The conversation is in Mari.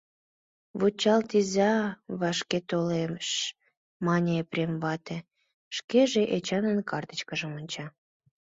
- Вучалтиыза, вашке толеш, - мане Епрем вате, шкеже Эчанын картычкыжым онча.